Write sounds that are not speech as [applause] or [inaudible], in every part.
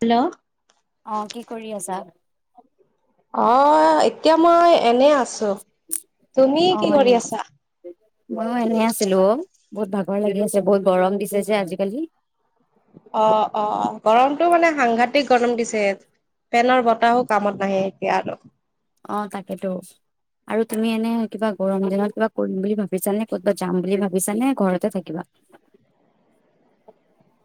Hello অহ কি কৰি আছা? অ এতিয়া মই এনে আছো। তুমি কি কৰি আছা? মইয়ো এনেই আছিলো অ বহুত ভাগৰ লাগি আছে বহুত গৰম দিছে যে আজিকালি। অ অ অ গৰমটো মানে সাংঘাতিক গৰম দিছে। পেনৰ বতাহো কামত নাহে এতিয়া আৰু অ তাকেতো। আৰু তুমি এনে কিবা গৰম দিনত কিবা কৰিম বুলি ভাবিছা নে? ক'টবা যাম বুলি ভাবিছা নে ঘৰতে থাকিবা? [inaudible]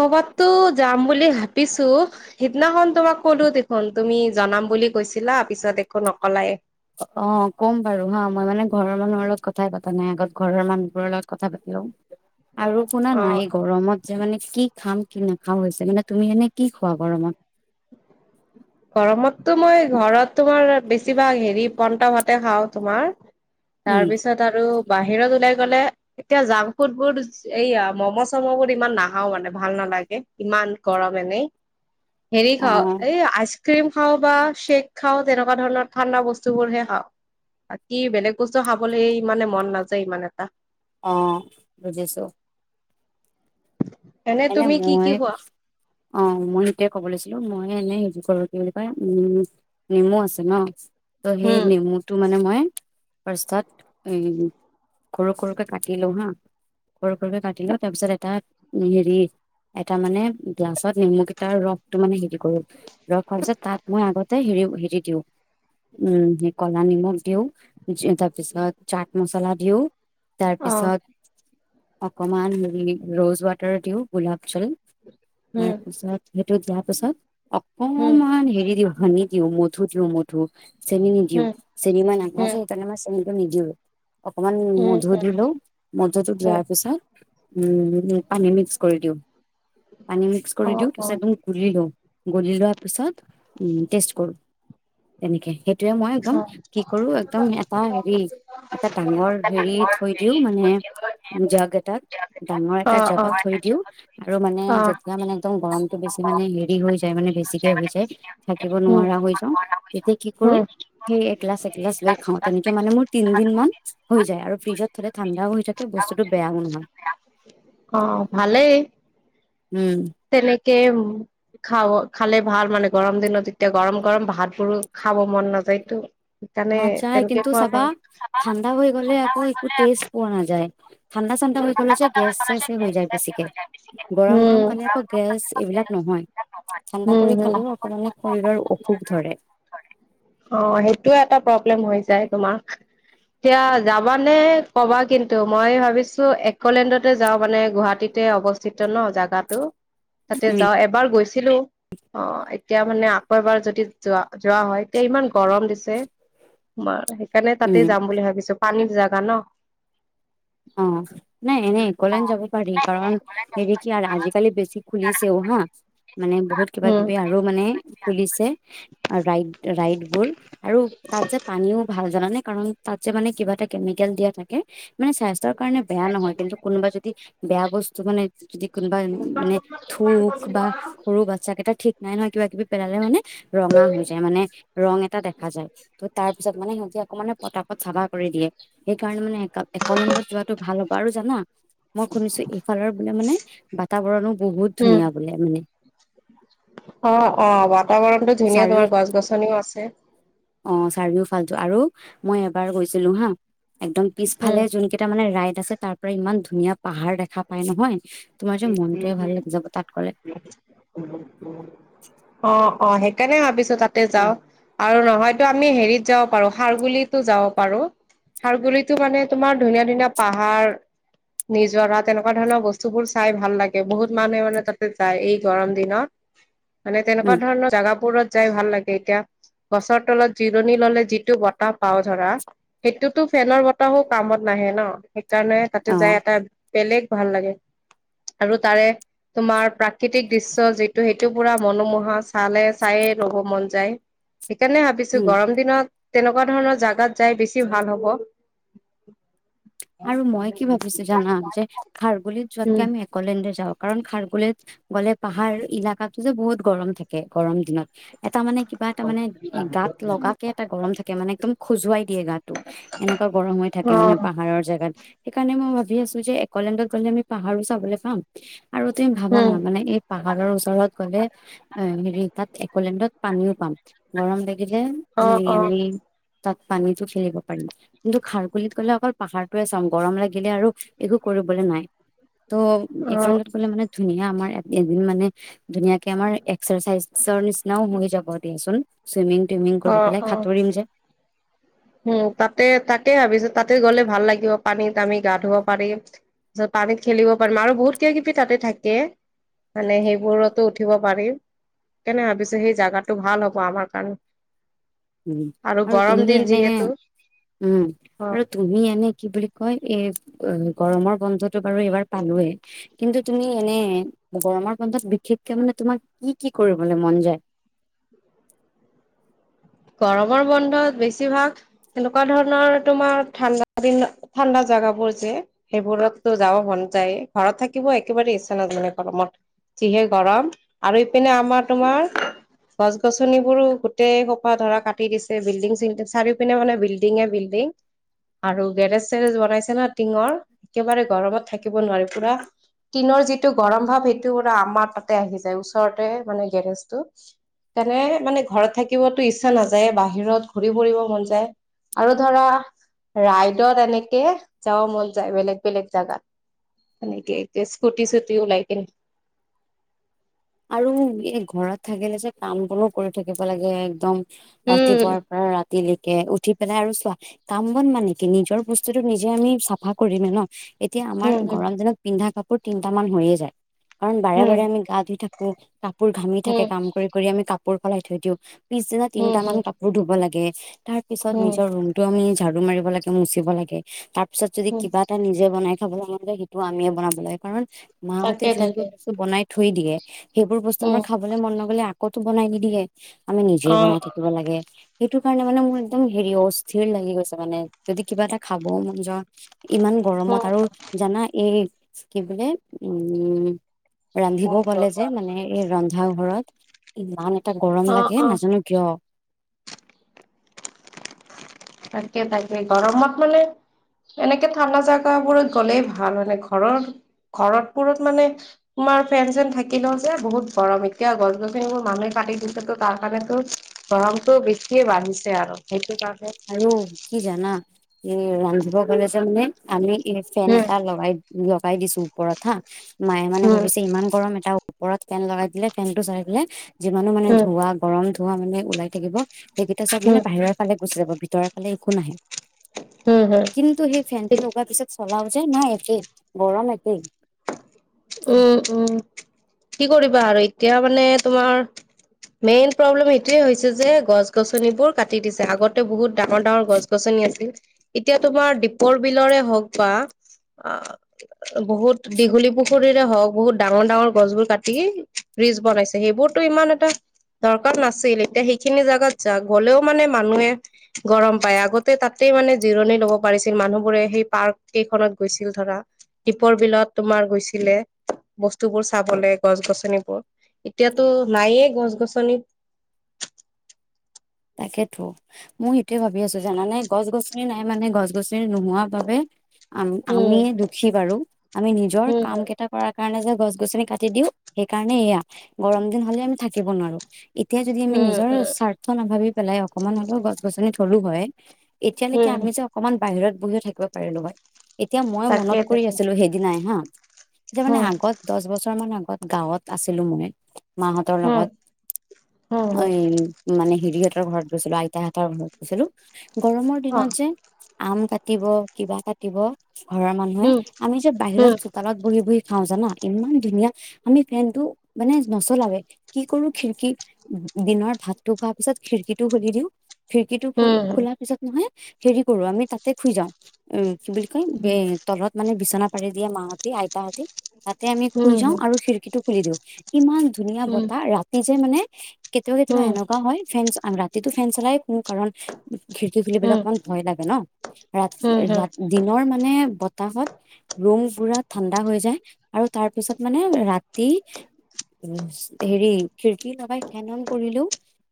কৰ'বাতো যাম বুলি ভাবিছো সিদিনাখন তোমাক ক'লো দেখোন তুমি জনাম বুলি কৈছিলা পিছত একো নকলাই। অ ক'ম বাৰু হা মই মানে ঘৰৰ মানুহৰ লগত কথাই পাতা নাই আগত ঘৰৰ মানুহবোৰৰ লগত কথা পাতিম আৰু শুনা না অ' এই গৰমত যে মানে কি খাম কি নাখাওঁ হৈছে, মানে তুমি এনে কি খোৱা গৰমত? [inaudible] গৰমততো মই ঘৰত তোমাৰ বেছিভাগ হেৰি পনটাভাতে খাওঁ তোমাৰ তাৰ উম পিছত আৰু বাহিৰত উলাই গ'লে এতিয়া জাংক ফুড বোৰ এইয়া ম'ম' চম' বোৰ ইমান নাহাও মানে ভাল নহ ইমান গৰম এনেই হেৰি অ খাওঁ এই আইচ ক্ৰীম খাওঁ বা শ্বেক খাওঁ তেনেকুৱা ধৰণৰ ঠাণ্ডা বস্তুবোৰহে খাওঁ। বাকি বেলেগ বস্তু খাবলৈ ইমানে মন নাযায় ইমান এটা। অ বুজিছোঁ। এনে তুমি কি কি মই খোৱা অ মই এইতোয়েই কব লৈছো। মই এনেই হেৰি কৰো কি বুলি কয় নেমু আছে ন? ত সেই উম নেমুটো মানে মই ফ্ৰাষ্টত উম সৰু সৰুকে কাটি লও হা। সৰু সৰুকে কাটিলো তাৰপিছত এটা দি এটা মানে গ্লাছত নেমু কেইটাৰ ৰসটো মানে হেৰি কৰো ৰখোৱাৰ পিছত তাত মই আগতে হেৰি হেৰি দিওঁ। উম কলা নিমখ দিওঁ তাৰপিছত চাট মছলা দিওঁ। তাৰ অ পিছত অকমান ৰ'জ ৱাটাৰ দিওঁ গোলাপ জল। উম তাৰপিছত সেইটো দিয়াৰ পাছত উম অকমান হেৰি দিও ধী দিওঁ মধু দিওঁ মধু। চেনি নিদিওঁ উম চেনি মই নাখাওঁ যে উম সেইকাৰণে মই চেনি নিদিও অকমান উম মধু উম দি লও মধুটো উম দিয়াৰ পিছত উম পানী মিশ কৰি দিউ [inaudible] পানী মিক্স অ কৰি দিও অ তাৰছত গুলি লওঁ গুলি লোৱাৰ পিছত উম টেষ্ট কৰো। তেনেকে সেইটোৱে মই একদম অ কি কৰো একদম এটা হেৰি এটা ডাঙৰ হেৰি থৈ দিও মানে জাগ এটাক ডাঙৰ এটা জাগত থৈ থৈ দিও আৰু মানে যেতিয়া মানে একদম গৰম টো বেচি মানে হেৰি হৈ যায় মানে বেছিকে হৈ যায়। থাকিব উম, উম, নোৱাৰা হৈ যাওঁ তেতিয়া কি কৰো সেই এগিলাছ এগিলাচ লৈ খাওঁ তেনেকে মানে মোৰ তিন দিন মান হৈ যায় আৰু ফ্ৰিজত থ'লে ঠাণ্ডাও হৈ থাকে বস্তুটো বেয়া নহয়। অ ভালেই উম তেনেকে খাব খালে ভাল মানে গৰম দিনত এতিয়া গৰম গৰম ভাত বোৰো খাব মন নাযায়তো সেইকাৰণে না যায় তেনেকে কিন্তু খোৱা চাবা ভাল ঠাণ্ডা হৈ গলে আকৌ একো টেষ্ট পোৱা নাযায় ঠাণ্ডা হৈ গলে যে গেছ চেচ হৈ যায় বছিকে। গৰম উম, গৰম খালে আকৌ গেছ এইবিলাক নহয় ঠাণ্ডা হম, কৰি হম, খালেও অকমানে শৰীৰৰ অসুখ ধৰে অ সেইটোয়ে এটা প্ৰব্লেম হৈ যায় তোমাৰ এতিয়া যাবা নে কবা কিন্তু মই ভাবিছো। এৰ্কলেণ্ডতে যাওঁ মানে গুৱাহাটীতে অৱস্থিত ন জেগাটো তাতে উম যাওঁ এবাৰ গৈছিলো অ এতিয়া মানে আকৌ এবাৰ যদি যোৱা যোৱা হয় এতিয়া ইমান গৰম দিছে‌ মাৰ সেইকাৰণে উম তাতে যাম বুলি ভাবিছো পানীৰ জাগা ন অ নাই এনেই একলেণ্ড যাব পাৰি কাৰণ এইৰি কি আৰু আজিকালি বেছি খুলিছেও হা মানে বহুত কিবা উম কিবি আৰু মানে খুলিছে। ৰাইড ৰাইড বোৰ আৰু তাত যে পানীও ভাল জানানে। কাৰণ তাত যে মানে কিবা এটা কেমিকেল দিয়া থাকে মানে চা। তাৰ কাৰণে বেয়া নহয় কিন্তু কোনোবা যদি বেয়া বস্তু মানে। যদি কোনোবা মানে থুক বা সৰু বাচ্ছাকেইটা ঠিক নাই নহয় কিবা কিবি পেলালে মানে। ৰঙা হৈ যায় মানে ৰং এটা দেখা যায় ত তাৰ পিছত মানে সিহঁতি আকৌ মানে পতাপত চাফা কৰি দিয়ে। সেইকাৰণে মানে একা একলেণ্ডত যোৱাটো ভাল হ'ব আৰু জানা। মই শুনিছো এইফালৰ বোলে মানে বাতাবৰণো বহুত উম ধুনীয়া বোলে মানে। অ অ বাতাবৰণতটো ধুনীয়া চাৰিও তোমাৰ গছ গছনিও আছে। অ চাৰিও ফাল্টু আৰু মই এবাৰ গৈছিলো হা। একদম উম পিছফালে যোন কেইটা মানে ৰাইড আছে তাৰ পৰা ইমান ধুনীয়া পাহাৰ দেখা পাই নহয়। [unintelligible] তোমাৰ যে মনটোৱে ভাল লাগি যাব তাত গলে অ। অ সেইকাৰণে ভাবিছো তাতে যাও। আৰু নহয়তো আমি হেৰিত যাব পাৰো খাৰগুলিতো যাব পাৰো। খাৰগুলিতো মানে তোমাৰ ধুনীয়া ধুনীয়া পাহাৰ নিজৰা তেনেকুৱা ধৰণৰ বস্তু বোৰ। চাই ভাল লাগে বহুত মানুহে মানে তাতে যায় এই গৰম দিনত। মানে তেনেকুৱা উম ধৰণৰ জোগাবোৰত যাই ভাল লাগে এতিয়া। গছৰ তলত জিৰণি ললে যিটো বতাহ পাও ধৰা সেইটোতো ফেনৰ বতাহও কামত নাই। আহে ন সেইকাৰণে তাতে অ যাই এটা বেলেগ ভাল লাগে আৰু তাৰে। তোমাৰ প্ৰাকৃতিক দৃশ্য যিটো সেইটো পুৰা মনোমোহা চালে চায়ে ৰব মন যায়। সেইকাৰণে ভাবিছো উম গৰম দিনত তেনেকুৱা ধৰণৰ জাগাত যাই বেছি ভাল হ'ব। আৰু মই কি ভাবিছো জানাম যে খাৰগুলি যোৱাতকে উম আমি আকলেণ্ড। যাওঁ কাৰণ খাৰগলিত গ'লে পাহাৰ এলেকাতটো যে বহুত গৰম থাকে গৰম দিনত এটা মানে। কিবা এটা মানে গত লগা কে এটা গৰম থাকে মানে একদম খজুৱাই। দিয়ে গাটো এনেকুৱা গৰম হৈ থাকে অ মানে পাহাৰৰ। জেগাত সেইকাৰণে মই ভাবি আছো যে একলেণ্ডত গ'লে আমি পাহাৰো চাবলৈ পাম। আৰু তুমি ভাবা না উম মানে এই পাহাৰৰ ওচৰত গলে এ তাত একলেণ্ডত পানীও পাম গৰম লাগিলে অ হেৰি অ আমি তাত পানীতটো খেলিব পাৰিম কিন্তু খাও বুলি ক'লে অকল পাহাৰ চাম গৰম লাগিলে আৰু একো কৰিবলৈ নাই ত' এইত অ গলে মানে ধুনীয়া আমাৰ এদিন মানে ধুনীয়াকে আমাৰ এক্সাৰচাইজৰ নিচিনাও হৈ যাব দিয়াচোন চুইমিং টুইমিং অ কৰি পেলাই অ সাঁতুৰিম যে উম তাতে তাতে ভাবিছোঁ তাতে গ'লে ভাল লাগিব পানীত আমি গা ধুব পাৰিম তাৰপিছত পানীত খেলিব পাৰিম আৰু বহুত কিবা কিবি তাতে থাকে মানে সেইবোৰতো উঠিব পাৰিম কেনে ভাবিছোঁ সেই জোগাটো ভাল হব আমাৰ কাৰণে উম আৰু গৰম তুমি দিন এনে যিহেতু উম অ আৰু তুমি এনে কি বুলি কয় এই গৰমৰ বন্ধতটো বাৰু এইবাৰ পালোৱয়ে কিন্তু তুমি এনে গৰমৰ বন্ধত বিশেষকে মানে তোমাক কি কি কৰিবলৈ মন যায় [inaudible] গৰমৰ বন্ধত বেছিভাগ এনেকুৱা ধৰণৰ তোমাৰ ঠাণ্ডা দিনত ঠাণ্ডা জোগাবোৰ যে সেইবোৰতো যাব মন যায় ঘৰত থাকিব একেবাৰে ইচ্ছা নাযায় গৰমত যিহে গৰম আৰু ইপিনে আমাৰ তোমাৰ গছ গছনিবোৰো গোটেই ধৰা কাটি দিছে বিল্ডি চিল্ডিং চাৰি পিনে মানে বিল্ডিং বিল্ডিং - আৰু গেৰেজ চেৰেজ বনাইছে ন টিঙৰ একেবাৰে গৰমত থাকিব নোৱাৰি পুৰা টিনৰ যিটো গৰম ভাৱ সেইটো মানে আমাৰ তাতে আহি যায় ওচৰতে মানে গেৰেজটো তনে মানে ঘৰত থাকিব আৰু ইচ্ছা নাযায়। বাহিৰত ঘূৰি ফুৰিব মন যায় আৰু ধৰা। ৰাইডত এনেকে যাব মন যায় বেলেগ বেলেগ জোগাত। নাকতিয়া স্কুটি চিচকুটি উলাইকে। আৰু এই ঘৰত থাকিলে যে কাম বোৰো কৰি থাকিব লাগে একদম। উম ৰাতিপুৱাৰ পৰা ৰাতি তিলিকে উঠি পেলাই আৰু চোৱা কাম বন মানে কি নিজৰ বস্তুটো নিজে আমি চাফা কৰিমে ন এতিয়া আমাৰ হম হম গৰম দিনত পিন্ধা কাপোৰ তিনট মান হৈয়ে যায় কাৰণ বাৰে বাৰে হম আমি গা ধুই থাকো। কাপোৰ ঘামি থাকে। হম কাম কৰি কৰি আমি কাপোৰ সলাই থৈ দিওঁ। পিছদিনা তিনট হম মান হম কাপোৰ ধুব লাগে। তাৰ পিছত হম নিজৰ ৰুমতটো আমি ঝাৰু ৰো মাৰিব লাগে মুছিব লাগে তাপিছত যদি হম নিজেই বনাই খাব সেইটো আমিয়ে বনাব লাগে কাৰণ মাহতে তাকে তাকে যোনবোৰ বস্তু বনাই থৈ দিয়ে সেইবোৰ বস্তু আমাৰ উম খাবলৈ মন নগলে আকৌ বনাই নিদিয়ে আমি নিজে অ বনাই থাকিব লাগে সেইটো কাৰণে মানে মোৰ একদম হেৰি অ' অস্থিৰ লাগি গৈছে। মানে যদি কিবা এটা খাব মন যোৱা ইমান গৰমত আৰু জানা এই কি বোলে উম ৰান্ধিব উম ক'লে যে মানে এই ৰন্ধা ঘৰত ইমান এটা গৰম অ লাগে অ নাজানো কিয়। থাকে তাকে গৰমত মানে এনেকে ঠাণ্ডা জোগাবোৰত গ'লেই ভাল। মানে ঘৰৰ ঘৰতবোৰত মানে তমাৰ ফেন চেন থাকিলেও যে বহুত গৰম এতিয়া গছ গছিন মোৰ মানুহে কাটি দিছে। তো তাৰ কাৰণেতো গৰমটো বেছিয়ে বাঢ়িছে আৰু সেইটো কাৰণে আৰু কি জানা এই ৰান্ধিব গলেজে মানে আমি এই ফেন এটা লগাই লগাই দিছো। ওপৰত হা মায়ে মানে উম ভাবিছে ইমান গৰম এটা ওপৰত ফেন লগাই দিলে। ফেন টো চাই দিলে যিমানো মানে উম ধৱা গৰম ধৱা মানে ওলাই থাকিব। সেইকেইটা চব মানে উম বাহিৰৰ কালে গুচি যাব। ভিতৰৰ কালে একো নাহে। উম উম উম কিন্তু সেই ফেনটো ঠিক লগাৰ পিছত চলা উ যে নাই একে গৰম একেই। উম উম কি কৰিবা আৰু এতিয়া মানে তোমাৰ। মেইন প্ৰব্লেম এইটোৱে হৈছে যে গছ গছনিবোৰ কাটি দিছে। আগতে বহুত ডাঙৰ ডাঙৰ গছ-গছনি। নি আছিল এতিয়া তোমাৰ দীপৰ বিলৰে হওক বা অ বহুত দীঘলী পুখ খুৰীৰে [unintelligible] হওক বহুত ডাঙৰ-ডাঙৰ গছবোৰ কাটি বিজ বনাইছে সেইবোৰতো ইমান এটা দৰকাৰ নাছিল এতিয়া সেইখিনি জেগাত যা গ'লেও মানে মানুহে গৰম পায় আগতে তাতে মানে জিৰণি ল'ব পাৰিছিল মানুহবোৰে সেই পাৰ্ক কেইখনত গৈছিল ধৰা৷ দীপৰ বিলত তোমাৰ গৈছিলে বস্তু বোৰ চাবলে গছ গছনিবোৰ এতিয়াতো নাইয়ে গছ গছনিত৷ [unintelligible] তাকে তো মই সেইটোৱে ভাবি আছো জানানে গছ গছনি নাই মানে গছ গছনি নোহোৱা বাবে আম উম, আমিয়ে দুখী বাৰো আমি নিজৰ উম, কাম কেইটা কৰা কাৰণে যে গছ-গছনি কাটি দিও সেইকাৰণে এয়া গৰম দিন হলে আমি থাকিব নোৱাৰো৷ এতিয়া যদি আমি উম, নিজৰ উম, স্বাৰ্থ নাভাবি পেলাই অকমান হলেও গছ-গছনি থলো হয় এতিয়ালৈকে উম, আমি যে অকমান বাহিৰত বহিও থাকিব পাৰিলো হয়৷ এতিয়া মই তাকে মনত কৰি তাকে আছিলো সেইদিনাই হা যে মানে উম, আগত দহ বছৰ মান আগত গাঁৱত আছিলো মই মাহঁতৰ উম, লগত উম, অ উম, মানে হেৰিয় ঘৰত গৈছিলো আইতাহঁতৰ ঘৰত গৈছিলো গৰমৰ দিনত অ', যে আম কাটিব কিবা কাটিব ঘৰৰ মানুহে উম, আমি যে বাহিৰত উম, চোতালত বহি-বহি খাও জানা ইমান ধুনীয়া আমি ফেনটো মানে নচলাওয়ে কি কৰো খিৰিকী দিনৰ ভাত টো খোৱাৰ পিছত খিৰিকি টো খুলি দিও খিৰিকীটো খো উম, খোলাৰ পিছত নহয় হেৰি কৰো আমি তাতে খুই যাওঁ উ কি বুলি কয় এ উম, তলত মানে বিচনা পাৰি দিয়ে মাহতি আইতাহতি তাতে আমি উম, খুই উম, যাও আৰু খিৰিকীটো খুলি দিও ইমান ধুনীয়া উম, বতাহ ৰাতি যে মানে কেতিয়াবা- কেতিয়াবা উম, এনেকুৱা হয় ফেন ৰাতিটো ফেন চলাই কাৰণ খিৰিকী খুলিবলৈ উম, অকমান ভয় লাগে ন ধৰা উম, উম, দিনৰ মানে বতাহত ৰুম পুৰা ঠাণ্ডা হৈ যায় আৰু তাৰ পিছত মানে ৰাতি উ হেৰি খিৰিকী লগাই ফেন অন কৰিলো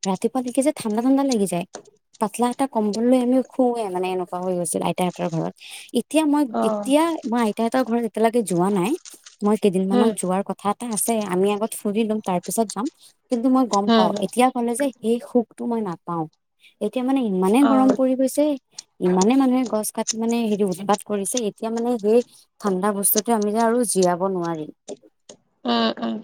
ৰাতিপুৱা দেখিছে ঠাণ্ডা ঠাণ্ডা লাগি যায়। পাতলা এটা কম্বললৈ আমি খুৱে মানে এনেকুৱা হৈ গৈছিল আইতাহঁতৰ ঘৰত ইত এতিয়া মই অ', এতিয়া মই আইতাহতৰ ঘৰত এতিয়ালৈকে যোৱা নাই মই কেইদিন উম, মানত যোৱাৰ কথা এটা আছে আমি আগত ফুৰি লম তাৰ পিছত যাম কিন্তু মই গম পাও উম, উম, এতিয়া গলে যে এই সুখটো মই নাপাও এতিয়া মানে ইমানে অ'। গৰম পৰি গৈছে ইমানে মানুহে গছ কাটি মানে হেৰি উৎপাত কৰিছে এতিয়া মানে সেই ঠাণ্ডা বস্তুত আমি যে আৰু জীয়াব নোৱাৰিম। উম -উম।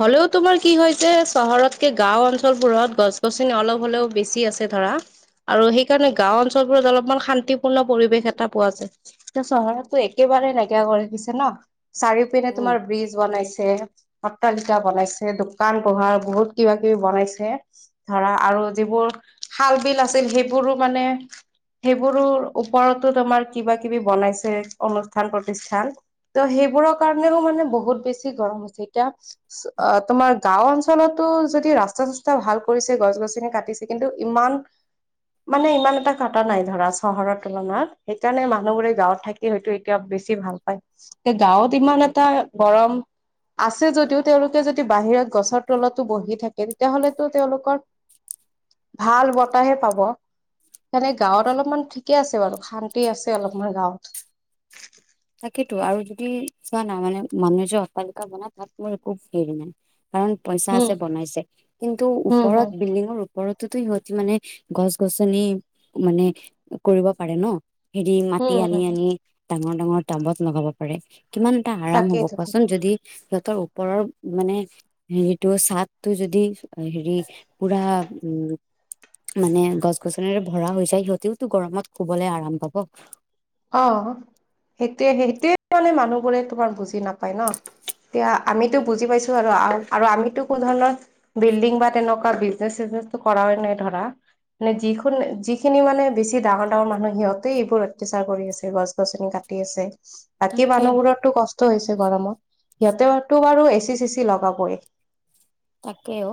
হলেও তোমাৰ কি হয় যে চহৰতকে গাওঁ অঞ্চলবোৰত গছ গছনি অলপ হ'লেও বেছি আছে। ধৰা আৰু সেইকাৰণে গাওঁ অঞ্চলবোৰত অলপমান শান্তিপূৰ্ণ পৰিৱেশ এটা পোৱা যায় এয়া চহৰতো একে ফালেই নাইকিয়া কৰি দিছে ন চাৰিও পিনে উম তোমাৰ ব্ৰিজ বনাইছে। ত কিটা বনাইছে দোকান পোহাৰ বহুত কিবা কিবি বনাইছে ধৰা আৰু যিবোৰ খাল বিল আছিল সেইবোৰো মানে সেইবোৰৰ ওপৰতো তোমাৰ কিবা কিবি বনাইছে অনুষ্ঠান প্ৰতিষ্ঠান ত সেই সেইবোৰৰ কাৰণেও মানে বহুত বেছি গৰম হৈছে এতিয়া অ তোমাৰ গাও অঞ্চলতো যদি ৰাস্তা চাস্তা ভাল কৰিছে গছ গছনি কাটিছে কিন্তু ইমান আন মানে ইমান এটা কটা নাই ধৰা চহৰৰ তুলনাত সেইকাৰণে মানুহ বোৰে গাঁৱত থাকি হয়তো এতিয়া বেচি ভাল পায় গাঁৱত ইমান এটা গৰম আছে যদিও তেওঁলোকে যদি বাহিৰত গছৰ তলতো বহি থাকে তেতিয়াাহলেতো তেওঁলোকৰ ভাল বতাহে পাব। সানে গাঁৱত অলপমান ঠিকে আছে বাৰু শান্তি আছে অলপমান গাঁৱত। তাকেইেতো আৰু যদি চোৱা না মানে মানুহে যে অট্টালিকা বনাই তাত মোৰ একো হেৰি নাই। কাৰণ পইচা হম আছে বনাইছে কিন্তু হম ওপৰত হম বিল্ডিঙৰ ওপৰত টো সিহঁতি মানে গছ গছনি মানে কৰিব পাৰে ন। হেৰি মাটি হম আনি হম আনি ডাঙৰ ডাঙৰ টাবত লগাব পাৰে। কিমান এটা আৰাম তাকেই হ'ব তাকেই কোৱাচোন যদি। সিহতৰ ওপৰৰ মানে হেৰিটো ছাদটো যদি হেৰি পুৰা। উম। মানে গছ গছনিৰে ভৰা হৈ যায় সিহতিওতো গৰমত শুবলে আৰাম পাব। অ সেইটোয়ে সেইটোৱে মানে মানুহবোৰে তোমাৰ বুজি নাপায় ন। এতিয়া আমিতো বুজি পাইছো আৰু আমিতো কোনো ধৰণৰ বিল্ডিং বা তেনেকুৱা বিজনেচ। কৰা হয় নাই ধৰা। মানে যিখন যিখিনি মানে বেছি ডাঙৰ ডাঙৰ মানুহ সিহঁতে এইবোৰ। প্ৰচাৰ কৰি আছে গছ গছনি কাটি আছে বাকী তাকে মানুহ বোৰতটো কষ্ট হৈছে। গৰমত সিহতেটো বাৰু এচি চিচি লগাবই। তাকও।